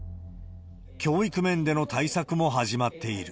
教育面での対策も始まっている。